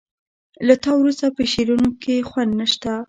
له تا وروسته په شعرونو کې خوند نه شته